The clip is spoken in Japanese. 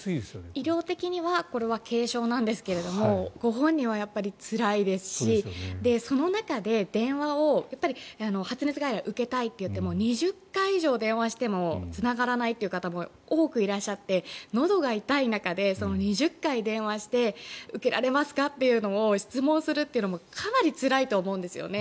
医療的には軽症なんですがご本人はつらいですしその中で、電話を発熱外来、受けたいといっても２０回以上電話してもつながらないという方も多くいらっしゃってのどが痛い中で２０回電話して受けられますかっていうのを質問するっていうのもかなりつらいと思うんですよね。